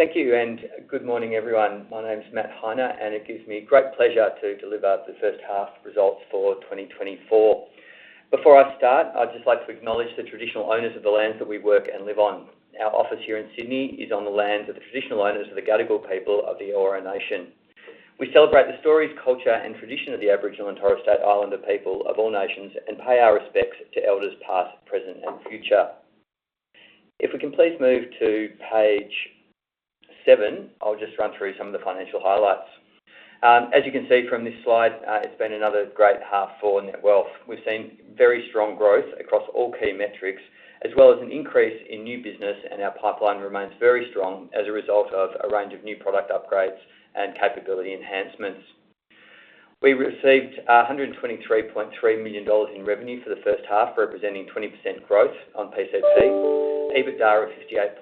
Thank you, and good morning, everyone. My name's Matt Heine, and it gives me great pleasure to deliver the first half results for 2024. Before I start, I'd just like to acknowledge the traditional owners of the lands that we work and live on. Our office here in Sydney is on the lands of the traditional owners of the Gadigal people of the Eora Nation. We celebrate the stories, culture, and tradition of the Aboriginal and Torres Strait Islander people of all nations and pay our respects to elders past, present, and future. If we can please move to page 7, I'll just run through some of the financial highlights. As you can see from this slide, it's been another great half for Netwealth. We've seen very strong growth across all key metrics, as well as an increase in new business, and our pipeline remains very strong as a result of a range of new product upgrades and capability enhancements. We received 123.3 million dollars in revenue for the first half, representing 20% growth on PCP. EBITDA of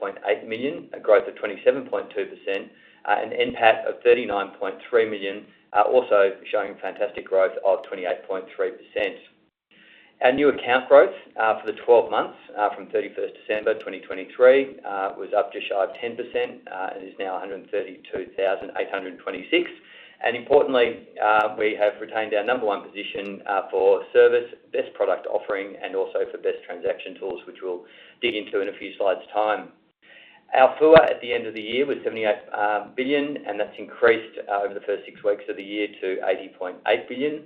58.8 million, a growth of 27.2%, and NPAT of 39.3 million, also showing fantastic growth of 28.3%. Our new account growth for the 12 months from 31st December 2023 was up just shy of 10% and is now 132,826. Importantly, we have retained our number one position for service, best product offering, and also for best transaction tools, which we'll dig into in a few slides' time. Our FUA at the end of the year was 78 billion, and that's increased over the first six weeks of the year to 80.8 billion.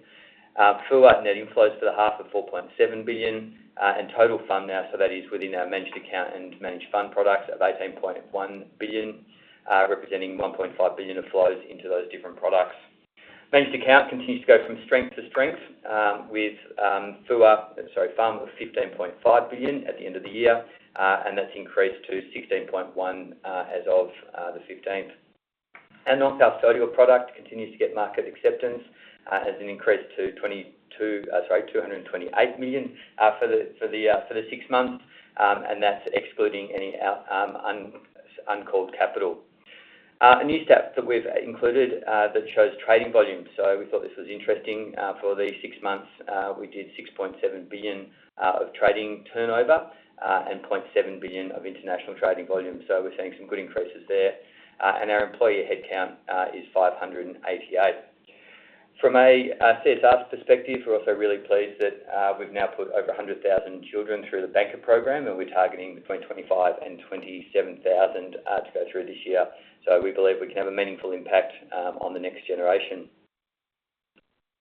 FUA net inflows for the half of 4.7 billion, and total FUA now, so that is within our managed account and managed fund products, of 18.1 billion, representing 1.5 billion of flows into those different products. Managed account continues to go from strength to strength with FUA, sorry, fund, of 15.5 billion at the end of the year, and that's increased to 16.1 billion as of the 15th. Non-custodial product continues to get market acceptance as an increase to 22, sorry, 228 million for the six months, and that's excluding any uncalled capital. A new stat that we've included that shows trading volume. So we thought this was interesting for these six months. We did 6.7 billion of trading turnover and 0.7 billion of international trading volume. So we're seeing some good increases there, and our employee headcount is 588. From a CSR perspective, we're also really pleased that we've now put over 100,000 children through the Banqer program, and we're targeting between 25,000 and 27,000 to go through this year. So we believe we can have a meaningful impact on the next generation.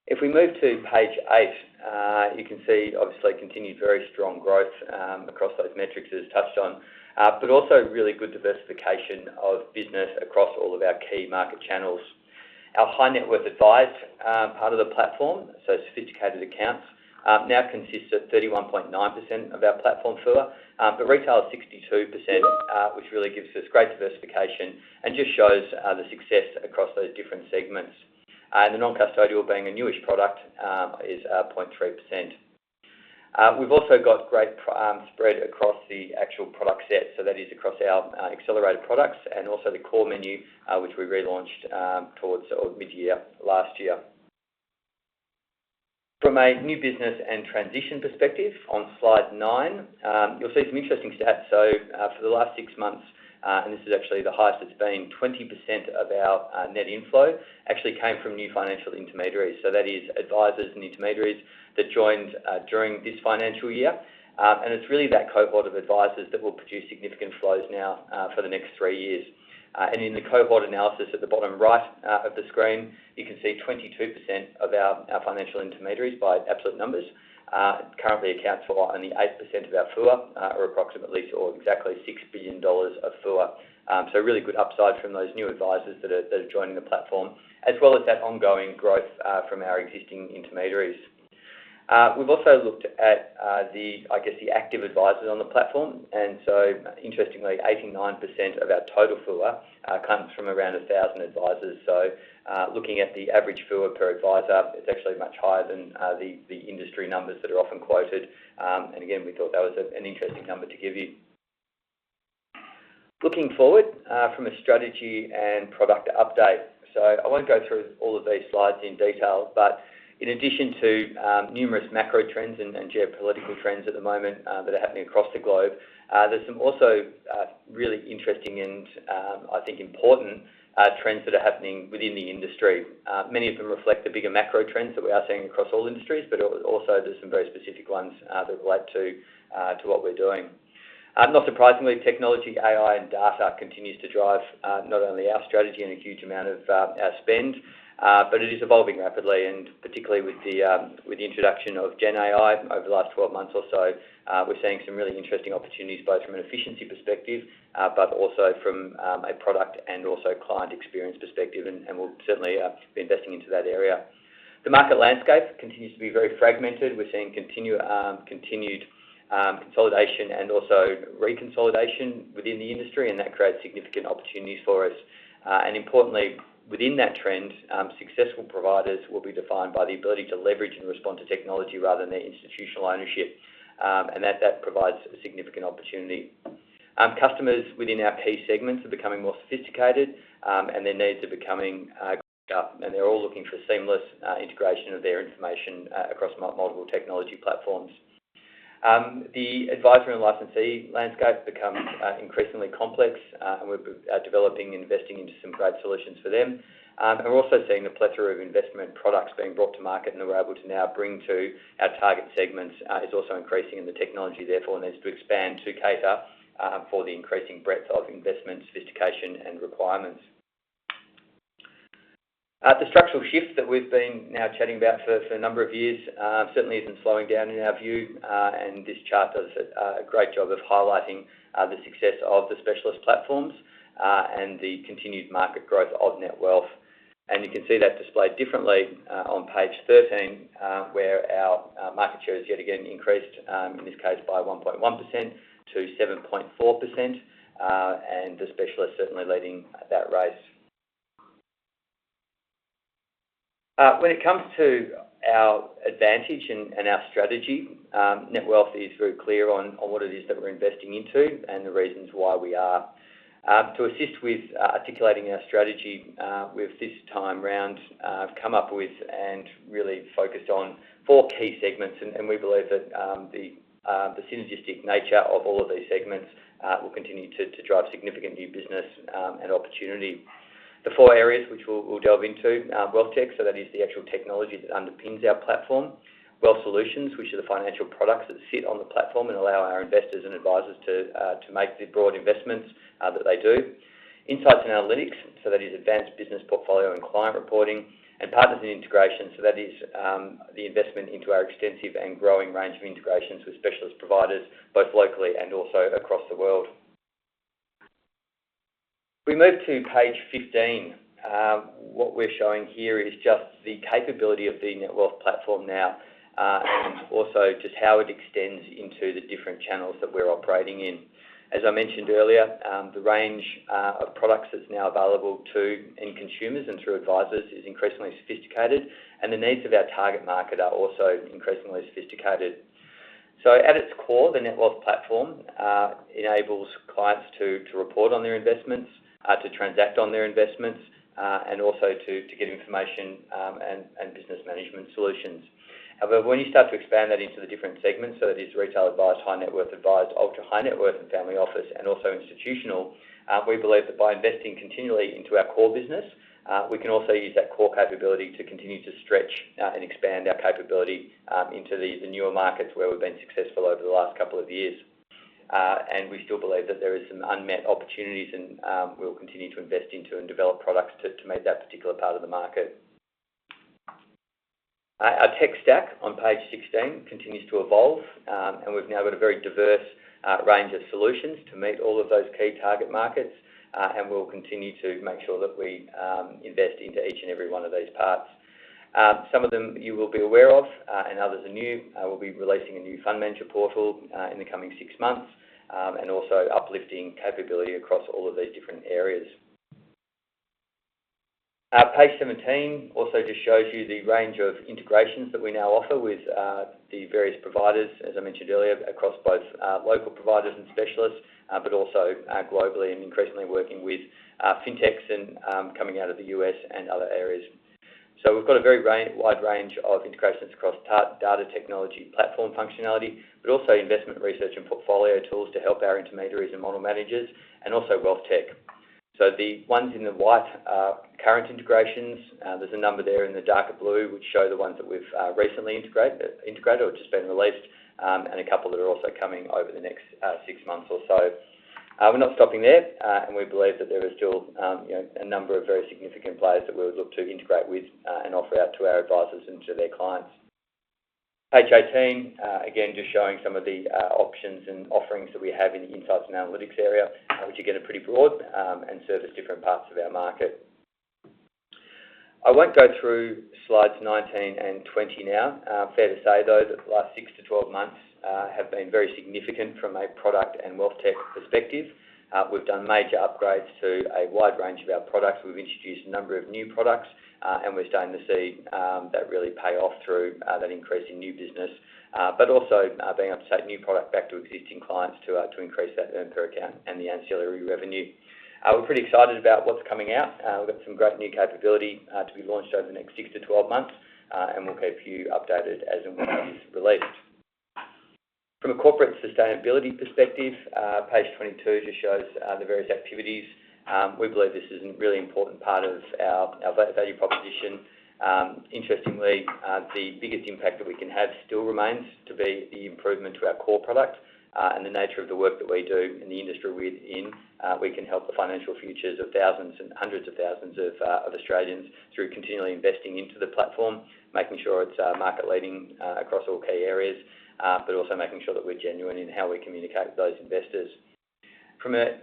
If we move to page 8, you can see, obviously, continued very strong growth across those metrics as touched on, but also really good diversification of business across all of our key market channels. Our high net worth advised part of the platform, so sophisticated accounts, now consists of 31.9% of our platform FUA, but retail is 62%, which really gives us great diversification and just shows the success across those different segments. And the non-custodial, being a newish product, is 0.3%. We've also got great spread across the actual product set, so that is across our accelerated products and also the core menu, which we relaunched towards mid-year last year. From a new business and transition perspective, on slide 9, you'll see some interesting stats. So for the last six months, and this is actually the highest it's been, 20% of our net inflow actually came from new financial intermediaries. So that is advisors and intermediaries that joined during this financial year. And it's really that cohort of advisors that will produce significant flows now for the next three years. And in the cohort analysis at the bottom right of the screen, you can see 22% of our financial intermediaries by absolute numbers currently accounts for only 8% of our FUA, or approximately or exactly 6 billion dollars of FUA. So really good upside from those new advisors that are joining the platform, as well as that ongoing growth from our existing intermediaries. We've also looked at, I guess, the active advisors on the platform. So interestingly, 89% of our total FUA comes from around 1,000 advisors. So looking at the average FUA per advisor, it's actually much higher than the industry numbers that are often quoted. And again, we thought that was an interesting number to give you. Looking forward from a strategy and product update, so I won't go through all of these slides in detail, but in addition to numerous macro trends and geopolitical trends at the moment that are happening across the globe, there's some also really interesting and, I think, important trends that are happening within the industry. Many of them reflect the bigger macro trends that we are seeing across all industries, but also there's some very specific ones that relate to what we're doing. Not surprisingly, technology, AI, and data continues to drive not only our strategy and a huge amount of our spend, but it is evolving rapidly. And particularly with the introduction of Gen AI over the last 12 months or so, we're seeing some really interesting opportunities both from an efficiency perspective but also from a product and also client experience perspective, and we'll certainly be investing into that area. The market landscape continues to be very fragmented. We're seeing continued consolidation and also reconsolidation within the industry, and that creates significant opportunities for us. Importantly, within that trend, successful providers will be defined by the ability to leverage and respond to technology rather than their institutional ownership, and that provides a significant opportunity. Customers within our key segments are becoming more sophisticated, and their needs are becoming greater, and they're all looking for seamless integration of their information across multiple technology platforms. The advisory and licensee landscape becomes increasingly complex, and we're developing and investing into some great solutions for them. We're also seeing the plethora of investment products being brought to market, and we're able to now bring to our target segments. It's also increasing, and the technology, therefore, needs to expand to cater for the increasing breadth of investment sophistication and requirements. The structural shift that we've been now chatting about for a number of years certainly isn't slowing down in our view, and this chart does a great job of highlighting the success of the specialist platforms and the continued market growth of Netwealth. You can see that displayed differently on page 13, where our market share has yet again increased, in this case, by 1.1% to 7.4%, and the specialists certainly leading that race. When it comes to our advantage and our strategy, Netwealth is very clear on what it is that we're investing into and the reasons why we are. To assist with articulating our strategy with this time round, we've come up with and really focused on four key segments, and we believe that the synergistic nature of all of these segments will continue to drive significant new business and opportunity. The four areas which we'll delve into: wealth tech, so that is the actual technology that underpins our platform. Wealth solutions, which are the financial products that sit on the platform and allow our investors and advisors to make the broad investments that they do. Insights and analytics, so that is advanced business portfolio and client reporting. And partners and integrations, so that is the investment into our extensive and growing range of integrations with specialist providers both locally and also across the world. If we move to page 15, what we're showing here is just the capability of the Netwealth platform now and also just how it extends into the different channels that we're operating in. As I mentioned earlier, the range of products that's now available to consumers and through advisors is increasingly sophisticated, and the needs of our target market are also increasingly sophisticated. At its core, the Netwealth platform enables clients to report on their investments, to transact on their investments, and also to get information and business management solutions. However, when you start to expand that into the different segments, so that is retail advised, high net worth advised, ultra-high net worth, and family office, and also institutional, we believe that by investing continually into our core business, we can also use that core capability to continue to stretch and expand our capability into the newer markets where we've been successful over the last couple of years. We still believe that there are some unmet opportunities, and we'll continue to invest into and develop products to make that particular part of the market. Our tech stack on page 16 continues to evolve, and we've now got a very diverse range of solutions to meet all of those key target markets, and we'll continue to make sure that we invest into each and every one of these parts. Some of them you will be aware of, and others are new. We'll be releasing a new fund manager portal in the coming six months and also uplifting capability across all of these different areas. Page 17 also just shows you the range of integrations that we now offer with the various providers, as I mentioned earlier, across both local providers and specialists but also globally and increasingly working with fintechs and coming out of the U.S. and other areas. So we've got a very wide range of integrations across data technology platform functionality but also investment research and portfolio tools to help our intermediaries and model managers and also wealth tech. So the ones in the white are current integrations. There's a number there in the darker blue which show the ones that we've recently integrated or just been released and a couple that are also coming over the next six months or so. We're not stopping there, and we believe that there are still a number of very significant players that we would look to integrate with and offer out to our advisors and to their clients. Page 18, again, just showing some of the options and offerings that we have in the insights and analytics area, which again are pretty broad and service different parts of our market. I won't go through slides 19 and 20 now. Fair to say, though, that the last 6-12 months have been very significant from a product and wealth tech perspective. We've done major upgrades to a wide range of our products. We've introduced a number of new products, and we're starting to see that really pay off through that increase in new business but also being able to take new product back to existing clients to increase that earned per account and the ancillary revenue. We're pretty excited about what's coming out. We've got some great new capability to be launched over the next 6-12 months, and we'll keep you updated as and when it is released. From a corporate sustainability perspective, page 22 just shows the various activities. We believe this is a really important part of our value proposition. Interestingly, the biggest impact that we can have still remains to be the improvement to our core product and the nature of the work that we do in the industry we're in. We can help the financial futures of thousands and hundreds of thousands of Australians through continually investing into the platform, making sure it's market-leading across all key areas but also making sure that we're genuine in how we communicate with those investors. From an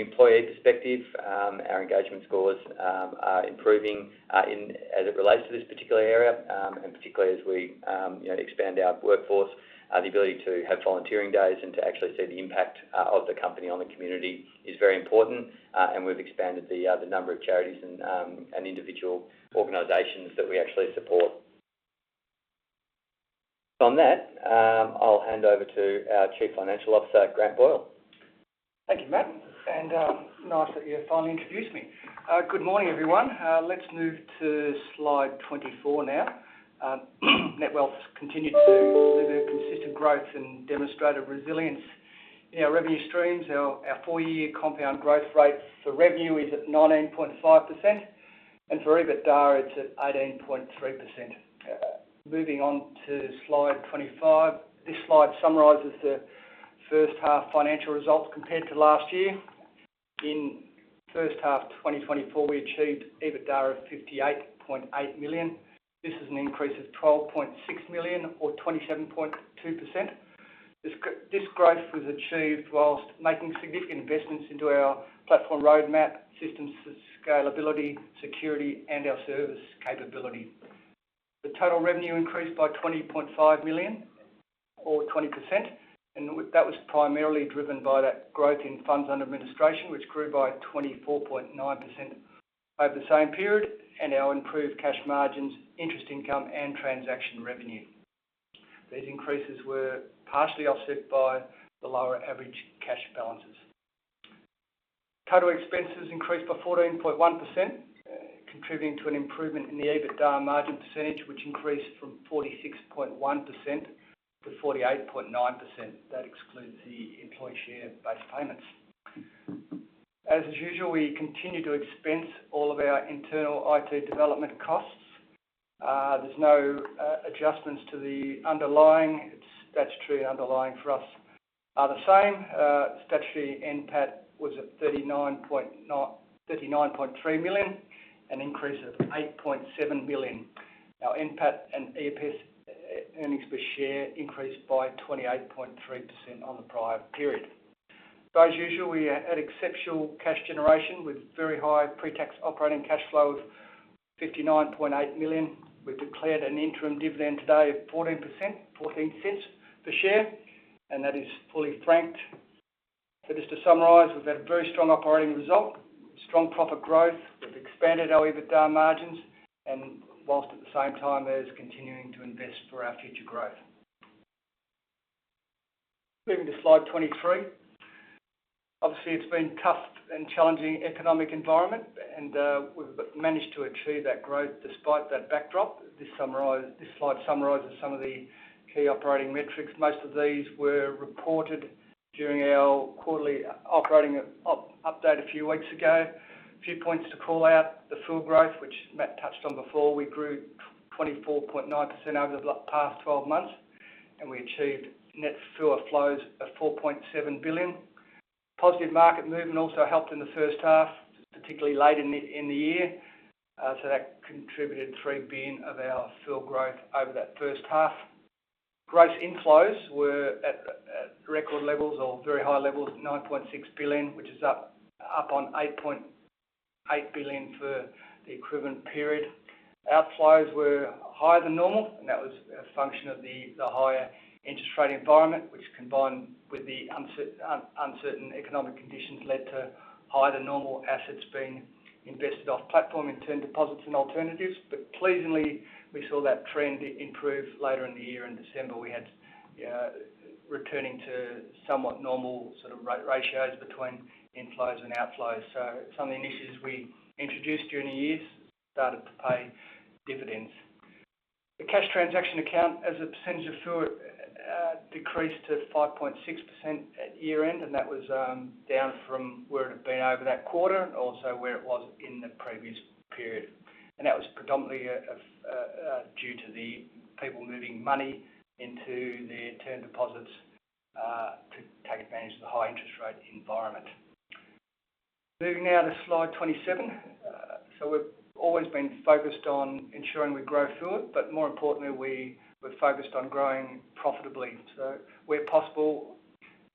employee perspective, our engagement scores are improving as it relates to this particular area, and particularly as we expand our workforce, the ability to have volunteering days and to actually see the impact of the company on the community is very important. We've expanded the number of charities and individual organizations that we actually support. On that, I'll hand over to our Chief Financial Officer, Grant Boyle. Thank you, Matt. Nice that you finally introduced me. Good morning, everyone. Let's move to slide 24 now. Netwealth has continued to deliver consistent growth and demonstrate a resilience in our revenue streams. Our four-year compound growth rate for revenue is at 19.5%, and for EBITDA, it's at 18.3%. Moving on to slide 25, this slide summarizes the first-half financial results compared to last year. In first-half 2024, we achieved EBITDA of 58.8 million. This is an increase of 12.6 million or 27.2%. This growth was achieved while making significant investments into our platform roadmap, systems for scalability, security, and our service capability. The total revenue increased by 20.5 million or 20%, and that was primarily driven by that growth in funds under administration, which grew by 24.9% over the same period and our improved cash margins, interest income, and transaction revenue. These increases were partially offset by the lower average cash balances. Total expenses increased by 14.1%, contributing to an improvement in the EBITDA margin percentage, which increased from 46.1% to 48.9%. That excludes the employee share-based payments. As usual, we continue to expense all of our internal IT development costs. There's no adjustments to the underlying statutory and underlying for us are the same. Statutory NPAT was at 39.3 million, an increase of 8.7 million. Now, NPAT and EPS earnings per share increased by 28.3% on the prior period. As usual, we had exceptional cash generation with very high pre-tax operating cash flow of 59.8 million. We've declared an interim dividend today of 0.14 per share, and that is fully franked. So just to summarize, we've had a very strong operating result, strong profit growth. We've expanded our EBITDA margins while at the same time as continuing to invest for our future growth. Moving to slide 23, obviously, it's been a tough and challenging economic environment, and we've managed to achieve that growth despite that backdrop. This slide summarizes some of the key operating metrics. Most of these were reported during our quarterly operating update a few weeks ago. A few points to call out: the FUA growth, which Matt touched on before. We grew 24.9% over the past 12 months, and we achieved net FUA flows of 4.7 billion. Positive market movement also helped in the first half, particularly later in the year, so that contributed 3 billion of our FUA growth over that first half. Gross inflows were at record levels or very high levels, 9.6 billion, which is up on 8.8 billion for the equivalent period. Outflows were higher than normal, and that was a function of the higher interest rate environment, which combined with the uncertain economic conditions led to higher than normal assets being invested off-platform in term deposits and alternatives. But pleasantly, we saw that trend improve later in the year in December. We had returning to somewhat normal sort of ratios between inflows and outflows. So some of the initiatives we introduced during the years started to pay dividends. The cash transaction account, as a percentage of FUA, decreased to 5.6% at year-end, and that was down from where it had been over that quarter and also where it was in the previous period. And that was predominantly due to the people moving money into their term deposits to take advantage of the high interest rate environment. Moving now to slide 27, so we've always been focused on ensuring we grow FUA, but more importantly, we're focused on growing profitably. So where possible,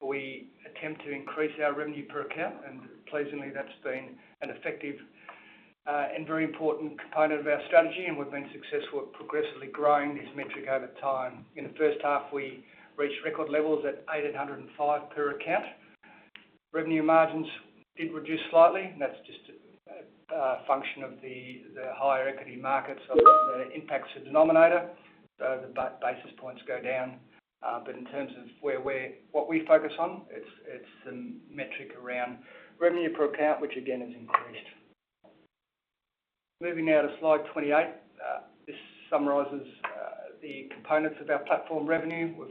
we attempt to increase our revenue per account, and pleasantly, that's been an effective and very important component of our strategy, and we've been successful at progressively growing this metric over time. In the first half, we reached record levels at 805 per account. Revenue margins did reduce slightly, and that's just a function of the higher equity markets of the impacts of the denominator, so the basis points go down. But in terms of what we focus on, it's the metric around revenue per account, which again has increased. Moving now to slide 28, this summarizes the components of our platform revenue. We've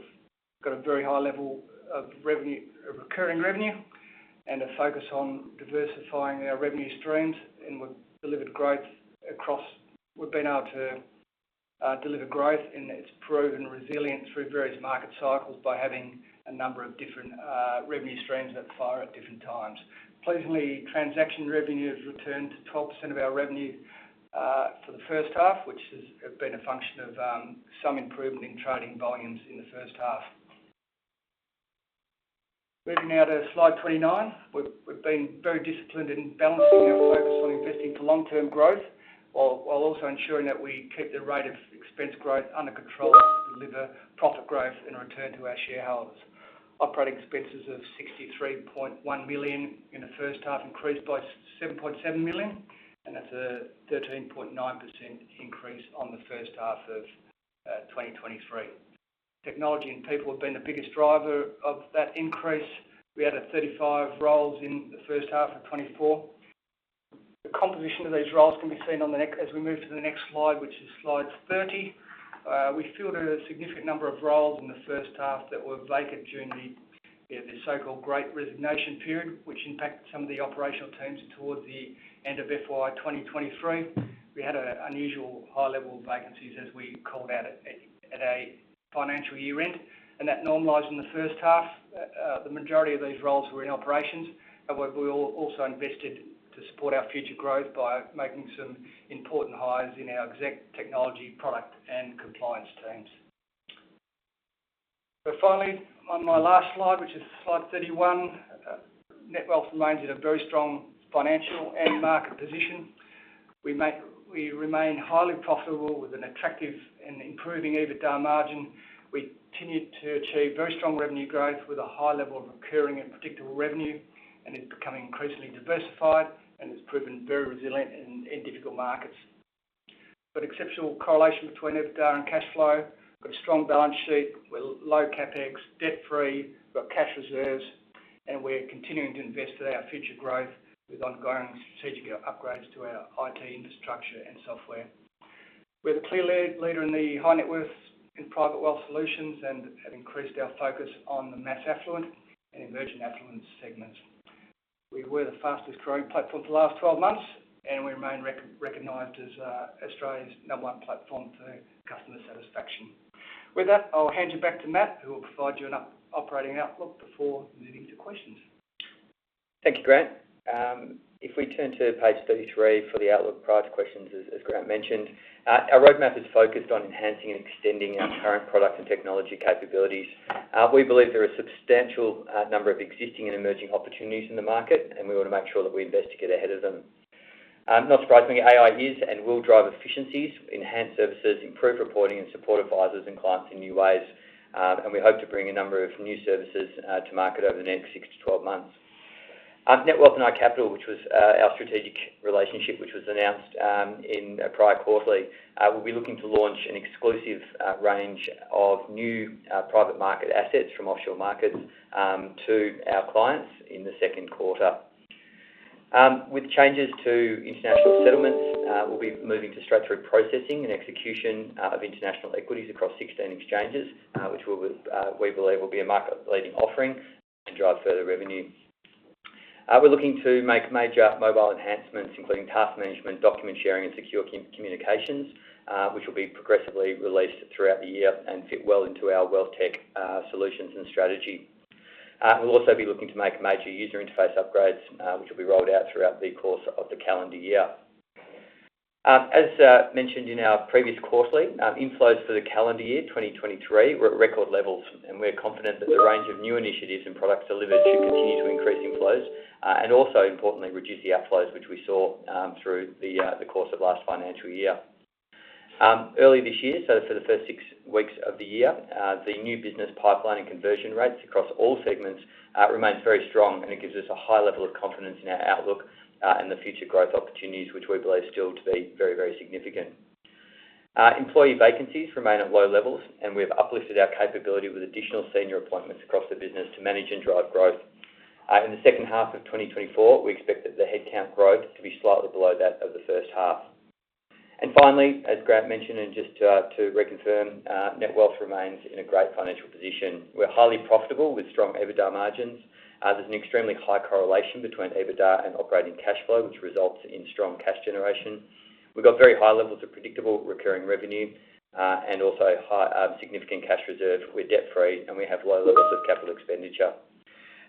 got a very high level of recurring revenue and a focus on diversifying our revenue streams, and we've delivered growth across. We've been able to deliver growth, and it's proven resilient through various market cycles by having a number of different revenue streams that fire at different times. Pleasantly, transaction revenue has returned to 12% of our revenue for the first half, which has been a function of some improvement in trading volumes in the first half. Moving now to slide 29, we've been very disciplined in balancing our focus on investing for long-term growth while also ensuring that we keep the rate of expense growth under control to deliver profit growth and return to our shareholders. Operating expenses of 63.1 million in the first half increased by 7.7 million, and that's a 13.9% increase on the first half of 2023. Technology and people have been the biggest driver of that increase. We added 35 roles in the first half of 2024. The composition of these roles can be seen as we move to the next slide, which is slide 30. We filled a significant number of roles in the first half that were vacant during the so-called Great Resignation period, which impacted some of the operational teams towards the end of FY 2023. We had unusually high-level vacancies as we called out at a financial year-end, and that normalized in the first half. The majority of these roles were in operations. However, we also invested to support our future growth by making some important hires in our exec, technology, product, and compliance teams. So finally, on my last slide, which is slide 31, Netwealth remains in a very strong financial and market position. We remain highly profitable with an attractive and improving EBITDA margin. We continue to achieve very strong revenue growth with a high level of recurring and predictable revenue, and it's becoming increasingly diversified and has proven very resilient in difficult markets. But exceptional correlation between EBITDA and cash flow. We've got a strong balance sheet. We're low-CapEx, debt-free. We've got cash reserves, and we're continuing to invest in our future growth with ongoing strategic upgrades to our IT infrastructure and software. We're the clear leader in the high net worth in private wealth solutions and have increased our focus on the mass affluent and emerging affluent segments. We were the fastest-growing platform for the last 12 months, and we remain recognized as Australia's number one platform for customer satisfaction. With that, I'll hand you back to Matt, who will provide you an operating outlook before moving to questions. Thank you, Grant. If we turn to page 33 for the outlook prior to questions, as Grant mentioned, our roadmap is focused on enhancing and extending our current product and technology capabilities. We believe there are a substantial number of existing and emerging opportunities in the market, and we want to make sure that we investigate ahead of them. Not surprisingly, AI is and will drive efficiencies, enhance services, improve reporting, and support advisors and clients in new ways. And we hope to bring a number of new services to market over the next 6-12 months. Netwealth and iCapital, which was our strategic relationship which was announced in prior quarterly, we'll be looking to launch an exclusive range of new private market assets from offshore markets to our clients in the second quarter. With changes to international settlements, we'll be moving to straight-through processing and execution of international equities across 16 exchanges, which we believe will be a market-leading offering and drive further revenue. We're looking to make major mobile enhancements, including task management, document sharing, and secure communications, which will be progressively released throughout the year and fit well into our wealth-tech solutions and strategy. We'll also be looking to make major user interface upgrades, which will be rolled out throughout the course of the calendar year. As mentioned in our previous quarterly, inflows for the calendar year 2023 were at record levels, and we're confident that the range of new initiatives and products delivered should continue to increase inflows and also, importantly, reduce the outflows which we saw through the course of last financial year. Early this year, so for the first six weeks of the year, the new business pipeline and conversion rates across all segments remained very strong, and it gives us a high level of confidence in our outlook and the future growth opportunities which we believe still to be very, very significant. Employee vacancies remain at low levels, and we have uplifted our capability with additional senior appointments across the business to manage and drive growth. In the second half of 2024, we expect that the headcount growth to be slightly below that of the first half. Finally, as Grant mentioned, and just to reconfirm, Netwealth remains in a great financial position. We're highly profitable with strong EBITDA margins. There's an extremely high correlation between EBITDA and operating cash flow, which results in strong cash generation. We've got very high levels of predictable recurring revenue and also significant cash reserve. We're debt-free, and we have low levels of capital expenditure.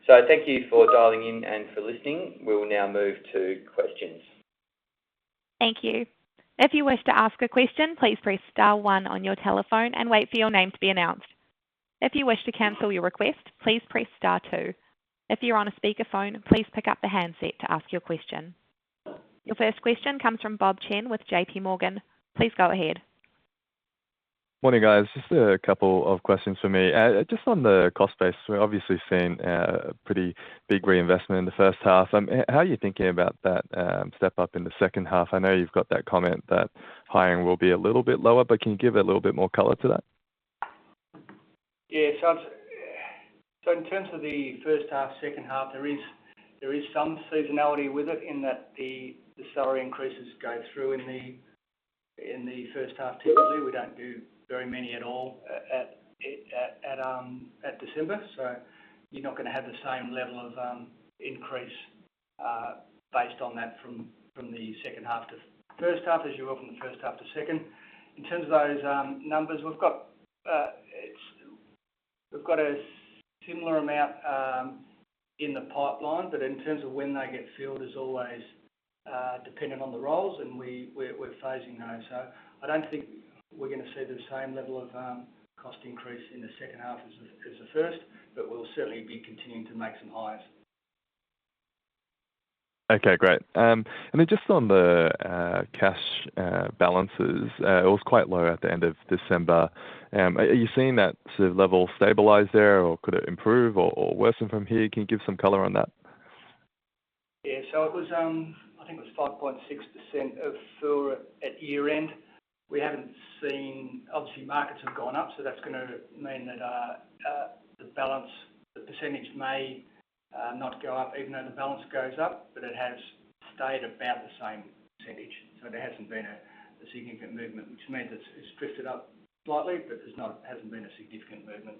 So thank you for dialing in and for listening. We will now move to questions. Thank you. If you wish to ask a question, please press star one on your telephone and wait for your name to be announced. If you wish to cancel your request, please press star two. If you're on a speakerphone, please pick up the handset to ask your question. Your first question comes from Bob Chen with J.P. Morgan. Please go ahead. Morning, guys. Just a couple of questions for me. Just on the cost base, we've obviously seen a pretty big reinvestment in the first half. How are you thinking about that step up in the second half? I know you've got that comment that hiring will be a little bit lower, but can you give it a little bit more color to that? Yeah. So in terms of the first half, second half, there is some seasonality with it in that the salary increases go through in the first half typically. We don't do very many at all at December, so you're not going to have the same level of increase based on that from the second half to first half as you were from the first half to second. In terms of those numbers, we've got a similar amount in the pipeline, but in terms of when they get filled is always dependent on the roles, and we're phasing those. So I don't think we're going to see the same level of cost increase in the second half as the first, but we'll certainly be continuing to make some hires. Okay. Great. And then just on the cash balances, it was quite low at the end of December. Are you seeing that sort of level stabilize there, or could it improve or worsen from here? Can you give some color on that? Yeah. So I think it was 5.6% of FUA at year-end. We haven't seen, obviously, markets have gone up, so that's going to mean that the percentage may not go up even though the balance goes up, but it has stayed about the same percentage. So there hasn't been a significant movement, which means it's drifted up slightly, but there hasn't been a significant movement.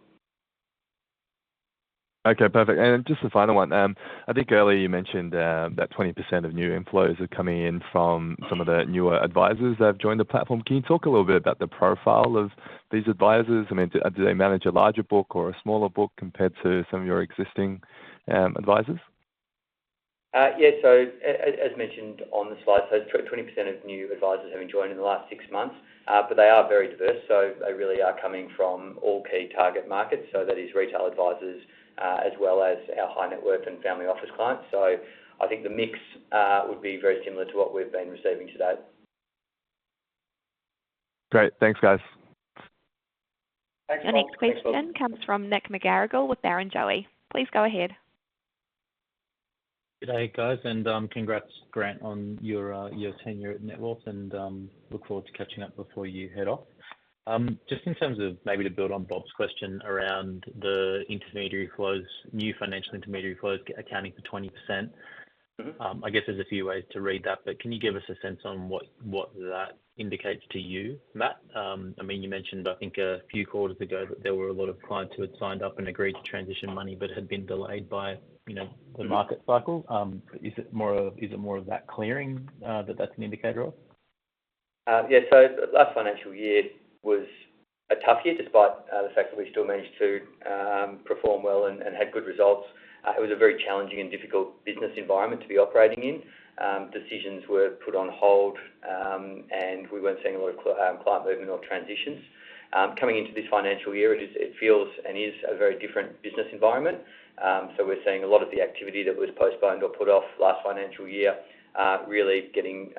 Okay. Perfect. Just the final one, I think earlier you mentioned that 20% of new inflows are coming in from some of the newer advisors that have joined the platform. Can you talk a little bit about the profile of these advisors? I mean, do they manage a larger book or a smaller book compared to some of your existing advisors? Yeah. So as mentioned on the slide, so 20% of new advisors have joined in the last six months, but they are very diverse. So they really are coming from all key target markets. So that is retail advisors as well as our high net worth and family office clients. So I think the mix would be very similar to what we've been receiving today. Great. Thanks, guys. Thanks, Paul. The next question comes from Nick McGarrigle with Barrenjoey. Please go ahead. Good day, guys, and congrats, Grant, on your tenure at Netwealth, and look forward to catching up before you head off. Just in terms of maybe to build on Bob's question around the new financial intermediary flows accounting for 20%, I guess there's a few ways to read that, but can you give us a sense on what that indicates to you, Matt? I mean, you mentioned, I think, a few quarters ago that there were a lot of clients who had signed up and agreed to transition money but had been delayed by the market cycle. Is it more of that clearing that that's an indicator of? Yeah. So last financial year was a tough year despite the fact that we still managed to perform well and had good results. It was a very challenging and difficult business environment to be operating in. Decisions were put on hold, and we weren't seeing a lot of client movement or transitions. Coming into this financial year, it feels and is a very different business environment. So we're seeing a lot of the activity that was postponed or put off last financial year really gaining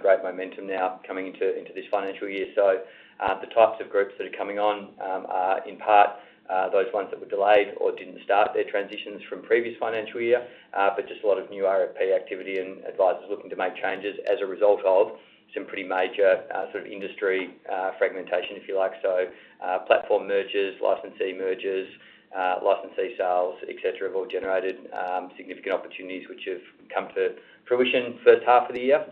great momentum now coming into this financial year. So the types of groups that are coming on are in part those ones that were delayed or didn't start their transitions from previous financial year, but just a lot of new RFP activity and advisors looking to make changes as a result of some pretty major sort of industry fragmentation, if you like. So platform mergers, licensee mergers, licensee sales, etc., have all generated significant opportunities which have come to fruition first half of the year.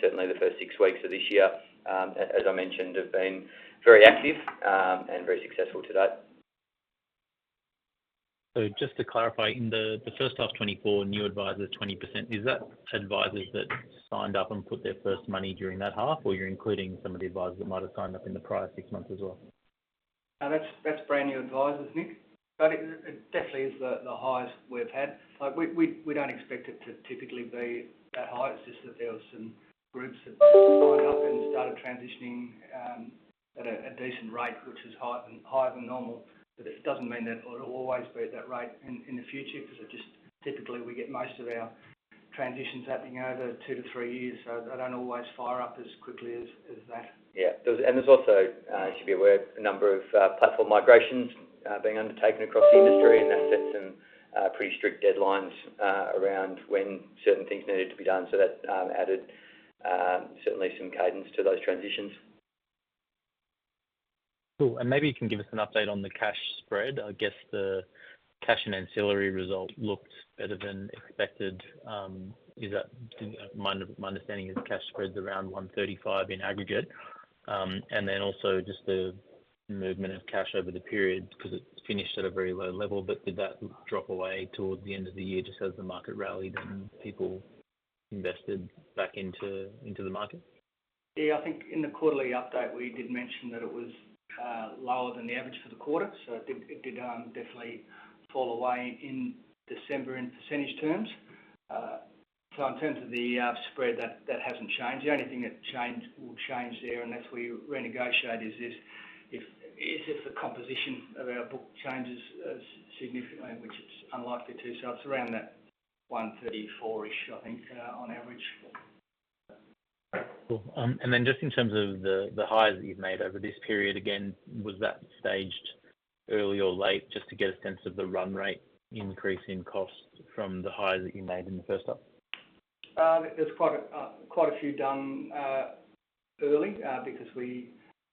Certainly, the first six weeks of this year, as I mentioned, have been very active and very successful today. Just to clarify, in the first half 2024, new advisors, 20%, is that advisors that signed up and put their first money during that half, or you're including some of the advisors that might have signed up in the prior six months as well? That's brand new advisors, Nick. It definitely is the highest we've had. We don't expect it to typically be that high. It's just that there were some groups that signed up and started transitioning at a decent rate, which is higher than normal. It doesn't mean that it'll always be at that rate in the future because typically, we get most of our transitions happening over two to three years, so they don't always fire up as quickly as that. There's also, as you'll be aware, a number of platform migrations being undertaken across the industry, and that set some pretty strict deadlines around when certain things needed to be done. So that added certainly some cadence to those transitions. Cool. Maybe you can give us an update on the cash spread. I guess the cash and ancillary result looked better than expected. My understanding is cash spread's around 135 in aggregate. Then also just the movement of cash over the period because it finished at a very low level, but did that drop away towards the end of the year just as the market rallied and people invested back into the market? Yeah. I think in the quarterly update, we did mention that it was lower than the average for the quarter. So it did definitely fall away in December in percentage terms. So in terms of the spread, that hasn't changed. The only thing that will change there, unless we renegotiate, is if the composition of our book changes significantly, which it's unlikely to. So it's around that 134-ish, I think, on average. Cool. And then just in terms of the highs that you've made over this period, again, was that staged early or late just to get a sense of the run rate increase in cost from the highs that you made in the first half? There's quite a few done early because we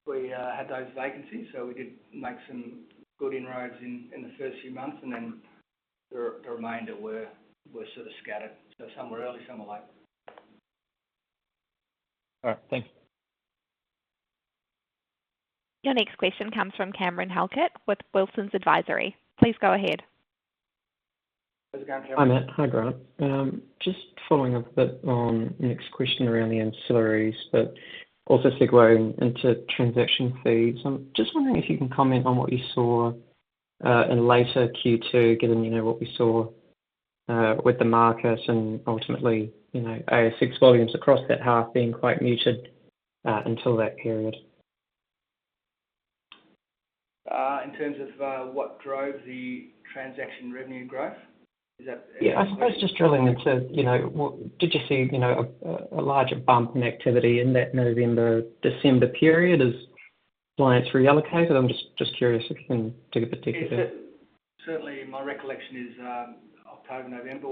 had those vacancies. So we did make some good inroads in the first few months, and then the remainder were sort of scattered. So some were early, some were late. All right. Thanks. Your next question comes from Cameron Halkett with Wilsons Advisory. Please go ahead. How's it going, Cameron? Hi, Matt. Hi, Grant. Just following up a bit on the next question around the ancillaries but also segueing into transaction fees. I'm just wondering if you can comment on what you saw in later Q2 given what we saw with the markets and ultimately ASX volumes across that half being quite muted until that period. In terms of what drove the transaction revenue growth? Is that? Yeah. I suppose just drilling into did you see a larger bump in activity in that November, December period as clients reallocated? I'm just curious if you can take a particular. Certainly, my recollection is October, November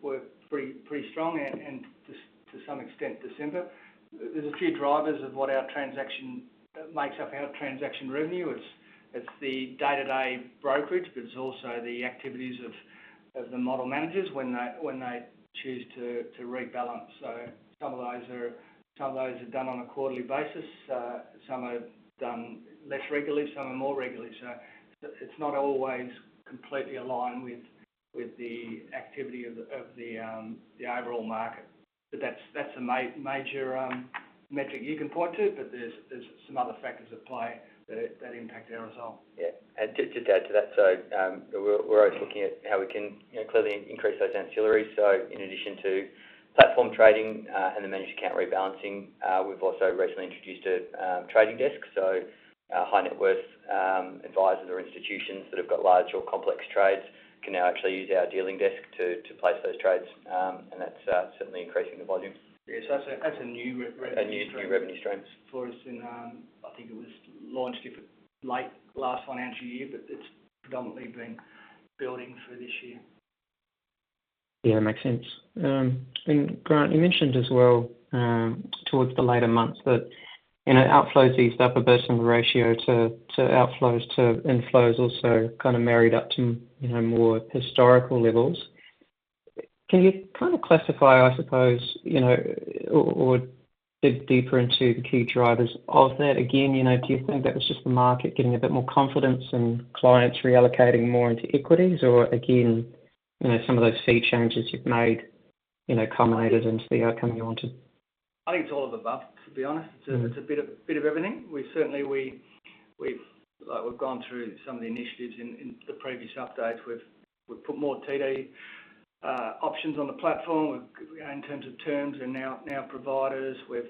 were pretty strong and, to some extent, December. There's a few drivers of what makes up our transaction revenue. It's the day-to-day brokerage, but it's also the activities of the model managers when they choose to rebalance. So some of those are done on a quarterly basis. Some are done less regularly. Some are more regularly. So it's not always completely aligned with the activity of the overall market. But that's a major metric you can point to, but there's some other factors at play that impact our result. Yeah. And just to add to that, so we're always looking at how we can clearly increase those ancillaries. So in addition to platform trading and the managed account rebalancing, we've also recently introduced a trading desk. So high net worth advisors or institutions that have got large or complex trades can now actually use our dealing desk to place those trades, and that's certainly increasing the volumes. Yeah. So that's a new revenue stream. A new revenue stream. For us, I think it was launched late last financial year, but it's predominantly been building for this year. Yeah. That makes sense. And Grant, you mentioned as well towards the later months that outflows eased up a bit and the ratio to outflows to inflows also kind of married up to more historical levels. Can you kind of classify, I suppose, or dig deeper into the key drivers of that? Again, do you think that was just the market getting a bit more confidence and clients reallocating more into equities, or again, some of those fee changes you've made culminated into the outcome you wanted? I think it's all of the above, to be honest. It's a bit of everything. Certainly, we've gone through some of the initiatives in the previous updates. We've put more TD options on the platform in terms of terms and now providers. We've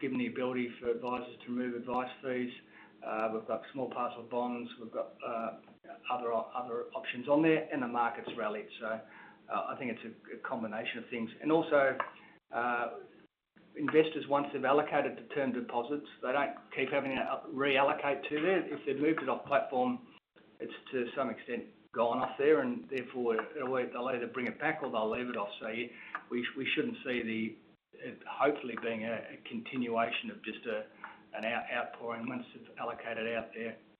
given the ability for advisors to remove advice fees. We've got small parcel bonds. We've got other options on there, and the market's rallied. So I think it's a combination of things. Also, investors, once they've allocated the term deposits, they don't keep having to reallocate to there. If they've moved it off platform, it's to some extent gone off there, and therefore, they'll either bring it back or they'll leave it off. So we shouldn't see it hopefully being a continuation of just an outpouring. Once they've allocated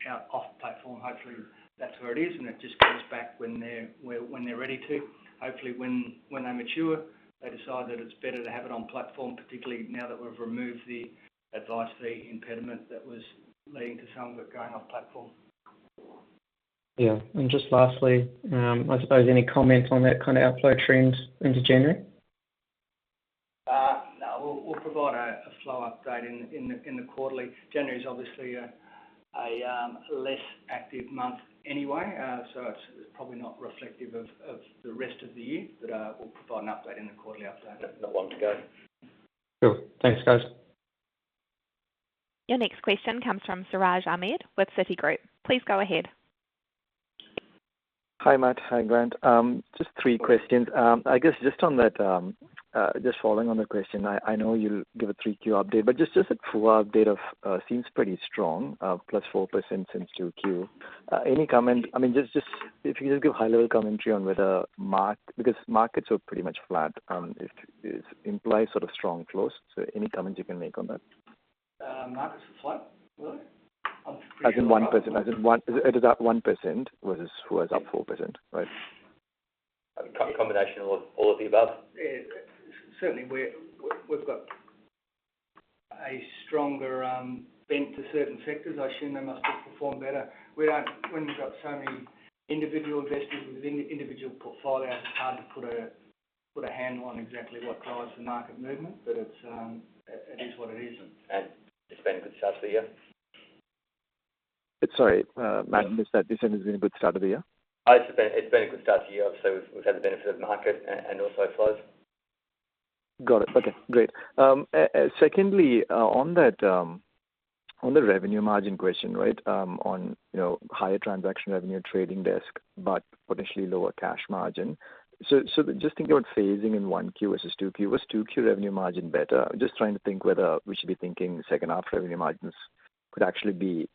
out off platform, hopefully, that's where it is, and it just comes back when they're ready to. Hopefully, when they mature, they decide that it's better to have it on platform, particularly now that we've removed the advice fee impediment that was leading to some of it going off platform. Yeah. Just lastly, I suppose, any comment on that kind of outflow trend into January? No. We'll provide a flow update in the quarterly. January's obviously a less active month anyway, so it's probably not reflective of the rest of the year, but we'll provide an update in the quarterly update. Not long to go. Cool. Thanks, guys. Your next question comes from Siraj Ahmed with Citigroup. Please go ahead. Hi, Matt. Hi, Grant. Just three questions. I guess just following on the question, I know you'll give a 3Q update, but just that full update seems pretty strong, plus 4% since 2Q. I mean, if you could just give high-level commentary on whether because markets are pretty much flat. It implies sort of strong flows, so any comments you can make on that? Markets are flat, really? I'm pretty sure. As in 1%? As in, it is up 1% versus who has up 4%, right? A combination of all of the above? Certainly, we've got a stronger bent to certain sectors. I assume they must have performed better. When you've got so many individual investors with individual portfolios, it's hard to put a handle on exactly what drives the market movement, but it is what it is. It's been a good start to the year? Sorry. Matt, is that December's been a good start of the year? It's been a good start to the year. Obviously, we've had the benefit of market and also flows. Got it. Okay. Great. Secondly, on the revenue margin question, right, on higher transaction revenue trading desk but potentially lower cash margin, so just thinking about phasing in 1Q versus 2Q, was 2Q revenue margin better? Just trying to think whether we should be thinking second-half revenue margins could actually be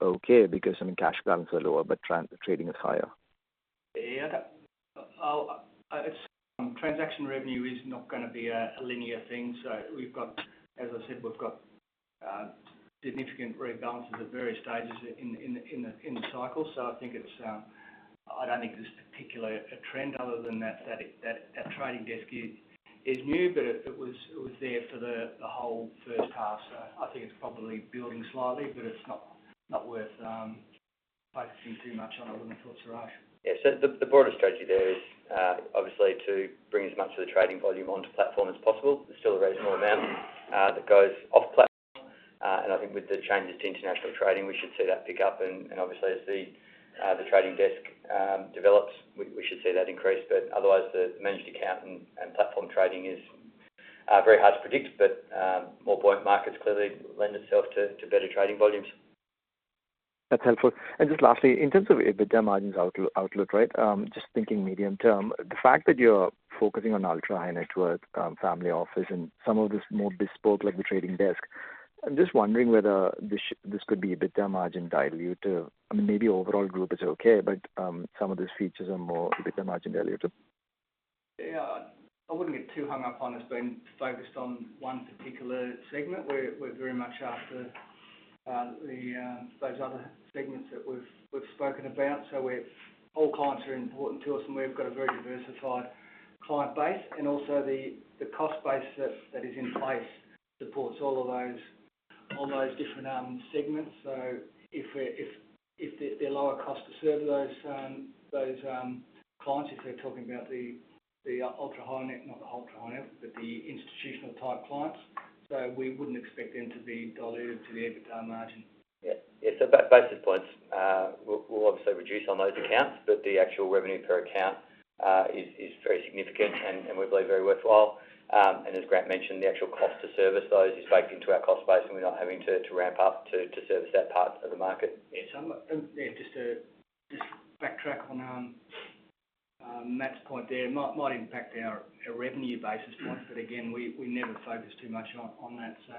okay because, I mean, cash balance is lower but trading is higher. Yeah. Transaction revenue is not going to be a linear thing. So as I said, we've got significant rebalances at various stages in the cycle. So I don't think there's particularly a trend other than that trading desk is new, but it was there for the whole first half. So I think it's probably building slightly, but it's not worth focusing too much on. I wouldn't have thought, Siraj. Yeah. So the broader strategy there is obviously to bring as much of the trading volume onto platform as possible. There's still a reasonable amount that goes off platform. And I think with the changes to international trading, we should see that pick up. Obviously, as the trading desk develops, we should see that increase. But otherwise, the managed account and platform trading is very hard to predict, but more buoyant markets clearly lend itself to better trading volumes. That's helpful. Just lastly, in terms of EBITDA margins outlook, right, just thinking medium term, the fact that you're focusing on ultra-high net worth family office and some of this more bespoke like the trading desk, I'm just wondering whether this could be EBITDA margin diluted. I mean, maybe overall group is okay, but some of these features are more EBITDA margin diluted. Yeah. I wouldn't get too hung up on us being focused on one particular segment. We're very much after those other segments that we've spoken about. All clients are important to us, and we've got a very diversified client base. Also, the cost base that is in place supports all of those different segments. So if they're lower cost to serve those clients, if we're talking about the ultra-high net not the ultra-high net, but the institutional-type clients, so we wouldn't expect them to be diluted to the EBITDA margin. Yeah. Yeah. So basis points, we'll obviously reduce on those accounts, but the actual revenue per account is very significant, and we believe very worthwhile. And as Grant mentioned, the actual cost to service those is baked into our cost base, and we're not having to ramp up to service that part of the market. Yeah. Just to backtrack on Matt's point there, it might impact our revenue basis points, but again, we never focus too much on that. So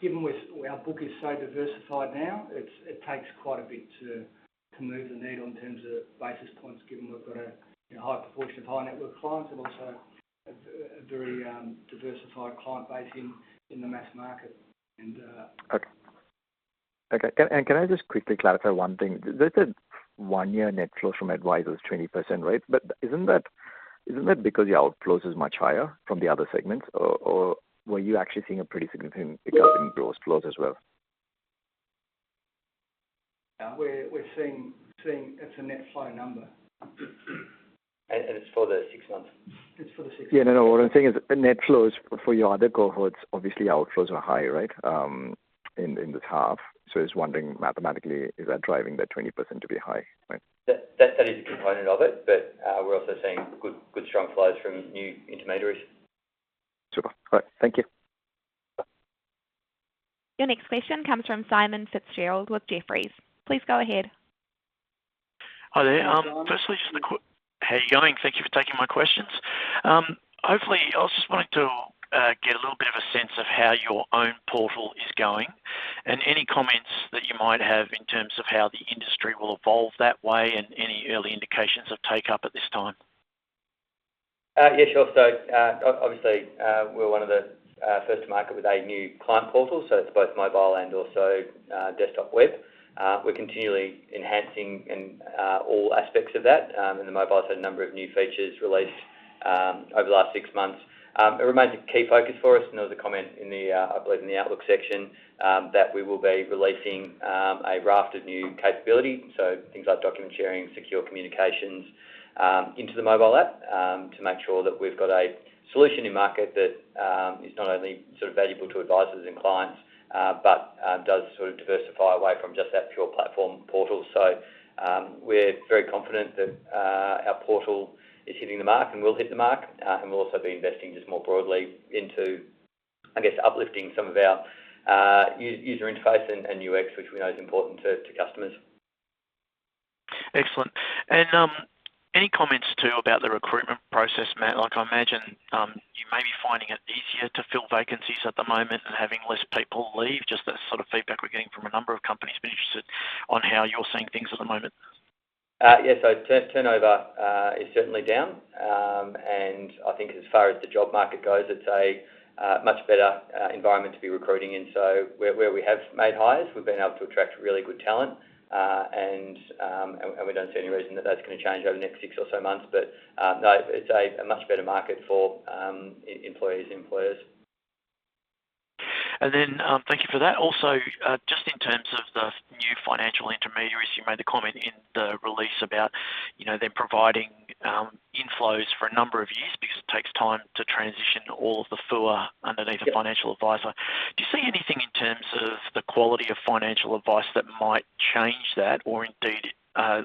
given our book is so diversified now, it takes quite a bit to move the needle in terms of basis points given we've got a high proportion of high net worth clients and also a very diversified client base in the mass market. Okay. Okay. And can I just quickly clarify one thing? There's a 1-year net flow from advisors, 20%, right? But isn't that because your outflows are much higher from the other segments, or were you actually seeing a pretty significant pickup in gross flows as well? Yeah. It's a net flow number. And it's for the six months? It's for the six months. Yeah. No, no. What I'm saying is net flows for your other cohorts, obviously, outflows are higher, right, in this half. So I was wondering mathematically, is that driving that 20% to be high, right? That is a component of it, but we're also seeing good strong flows from new intermediaries. Super. All right. Thank you. Your next question comes from Simon Fitzgerald with Jefferies. Please go ahead. Hi there. Firstly, just a quick how are you going? Thank you for taking my questions. Hopefully, I was just wanting to get a little bit of a sense of how your own portal is going and any comments that you might have in terms of how the industry will evolve that way and any early indications of takeup at this time. Yeah. Sure. So obviously, we're one of the first to market with a new client portal, so it's both mobile and also desktop web. We're continually enhancing all aspects of that. In the mobile, we've had a number of new features released over the last six months. It remains a key focus for us. And there was a comment, I believe, in the outlook section that we will be releasing a raft of new capabilities, so things like document sharing, secure communications, into the mobile app to make sure that we've got a solution in market that is not only sort of valuable to advisors and clients but does sort of diversify away from just that pure platform portal. So we're very confident that our portal is hitting the mark and will hit the mark, and we'll also be investing just more broadly into, I guess, uplifting some of our user interface and UX, which we know is important to customers. Excellent. And any comments too about the recruitment process, Matt? I imagine you may be finding it easier to fill vacancies at the moment and having less people leave. Just that sort of feedback we're getting from a number of companies being interested on how you're seeing things at the moment. Yeah. So turnover is certainly down. And I think as far as the job market goes, it's a much better environment to be recruiting in. So where we have made hires, we've been able to attract really good talent, and we don't see any reason that that's going to change over the next six or so months. But no, it's a much better market for employees and employers. And then thank you for that. Also, just in terms of the new financial intermediaries, you made the comment in the release about them providing inflows for a number of years because it takes time to transition all of the FUA underneath a financial advisor. Do you see anything in terms of the quality of financial advice that might change that or indeed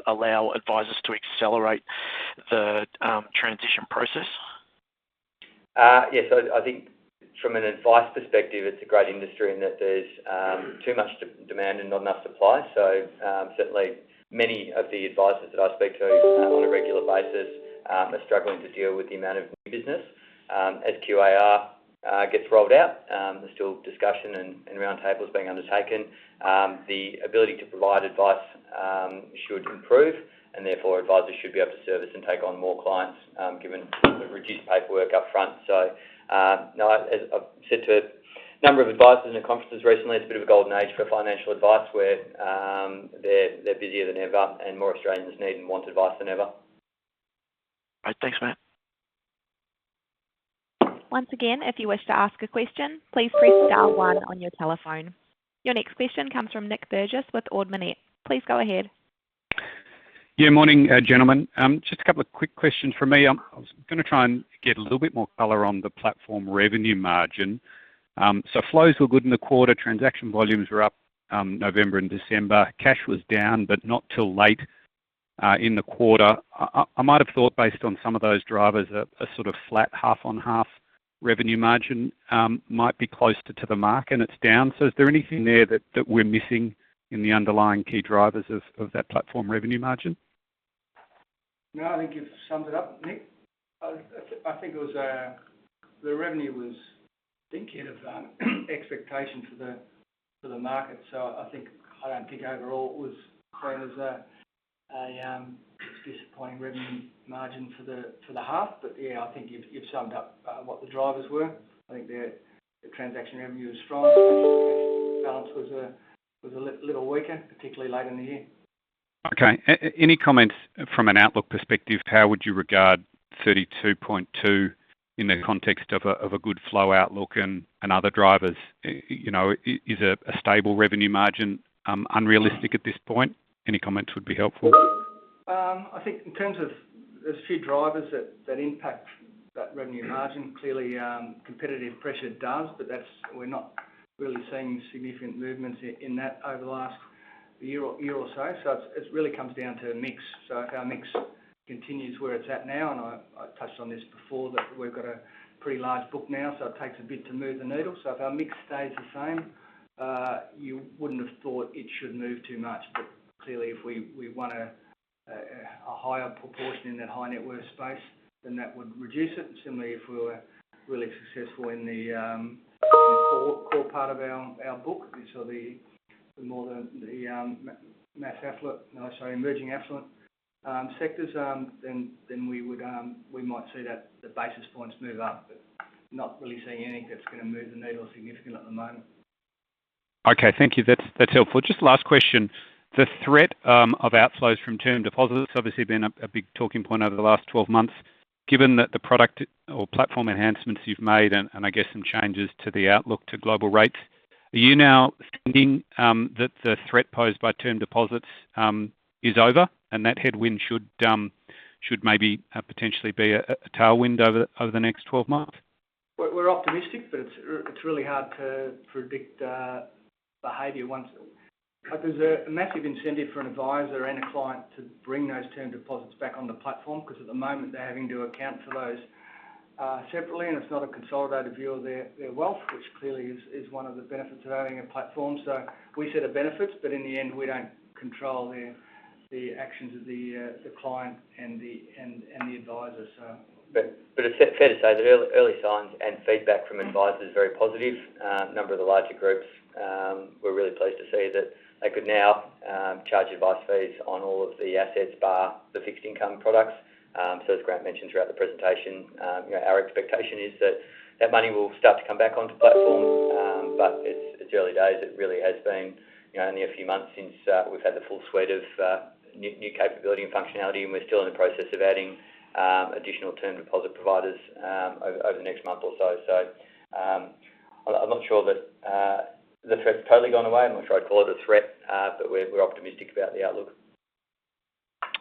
allow advisors to accelerate the transition process? Yes. I think from an advice perspective, it's a great industry in that there's too much demand and not enough supply. So certainly, many of the advisors that I speak to on a regular basis are struggling to deal with the amount of new business. As QAR gets rolled out, there's still discussion and roundtables being undertaken. The ability to provide advice should improve, and therefore, advisors should be able to service and take on more clients given the reduced paperwork upfront. So no, I've said to a number of advisors in conferences recently, it's a bit of a golden age for financial advice where they're busier than ever and more Australians need and want advice than ever. All right. Thanks, Matt. Once again, if you wish to ask a question, please press star one on your telephone. Your next question comes from Nick Burgess with Ord Minnett. Please go ahead. Yeah. Morning, gentlemen. Just a couple of quick questions from me. I was going to try and get a little bit more color on the platform revenue margin. So flows were good in the quarter. Transaction volumes were up November and December. Cash was down but not till late in the quarter. I might have thought, based on some of those drivers, a sort of flat half-on-half revenue margin might be closer to the mark, and it's down. So is there anything there that we're missing in the underlying key drivers of that platform revenue margin? No. I think you've summed it up, Nick. I think the revenue was. Think ahead of expectation for the market. So I don't think overall, it was planned as a disappointing revenue margin for the half. But yeah, I think you've summed up what the drivers were. I think the transaction revenue was strong. Transaction balance was a little weaker, particularly late in the year. Okay. Any comments from an outlook perspective? How would you regard 32.2 in the context of a good flow outlook and other drivers? Is a stable revenue margin unrealistic at this point? Any comments would be helpful. I think in terms of there's a few drivers that impact that revenue margin. Clearly, competitive pressure does, but we're not really seeing significant movements in that over the last year or so. So it really comes down to a mix. So if our mix continues where it's at now and I touched on this before, that we've got a pretty large book now, so it takes a bit to move the needle. So if our mix stays the same, you wouldn't have thought it should move too much. But clearly, if we want a higher proportion in that high net worth space, then that would reduce it. And similarly, if we were really successful in the core part of our book, so more the mass affluent no, sorry, emerging affluent sectors, then we might see the basis points move up but not really seeing anything that's going to move the needle significantly at the moment. Okay. Thank you. That's helpful. Just last question. The threat of outflows from term deposits has obviously been a big talking point over the last 12 months. Given the product or platform enhancements you've made and I guess some changes to the outlook to global rates, are you now thinking that the threat posed by term deposits is over and that headwind should maybe potentially be a tailwind over the next 12 months? We're optimistic, but it's really hard to predict behavior once. There's a massive incentive for an advisor and a client to bring those term deposits back on the platform because at the moment, they're having to account for those separately, and it's not a consolidated view of their wealth, which clearly is one of the benefits of having a platform. So we set a benefit, but in the end, we don't control the actions of the client and the advisor, so. But it's fair to say that early signs and feedback from advisors are very positive. A number of the larger groups, we're really pleased to see that they could now charge advice fees on all of the assets bar the fixed income products. So as Grant mentioned throughout the presentation, our expectation is that that money will start to come back onto platform. But it's early days. It really has been only a few months since we've had the full suite of new capability and functionality, and we're still in the process of adding additional term deposit providers over the next month or so. So I'm not sure that the threat's totally gone away. I'm not sure I'd call it a threat, but we're optimistic about the outlook.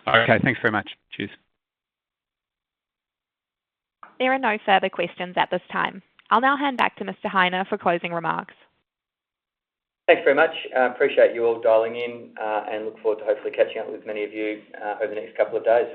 Okay. Thanks very much. Cheers. There are no further questions at this time. I'll now hand back to Mr. Heine for closing remarks. Thanks very much. Appreciate you all dialing in and look forward to hopefully catching up with many of you over the next couple of days.